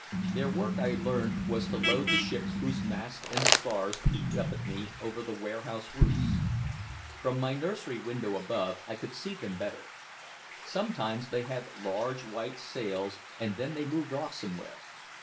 Their work I learned was to load the ships whose masts and spars peeped up at me over the warehouse roofs. From my nursery window above I could see them better. Sometimes they had large white sails and then they moved off somewhere.